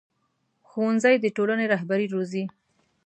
ښوونځی د ټولنې رهبري روزي